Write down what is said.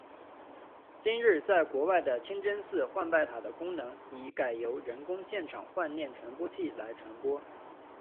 今日在国外的清真寺唤拜塔的功能已改由人工现场唤念扩音器来传播。